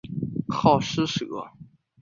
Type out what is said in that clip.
好施舍。